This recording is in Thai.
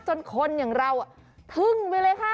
จนคนอย่างเราทึ่งไปเลยค่ะ